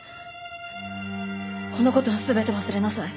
この事は全て忘れなさい。